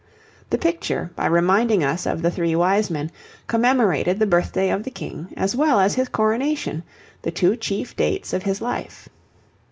The picture, by reminding us of the three Wise Men, commemorated the birthday of the King as well as his coronation, the two chief dates of his life.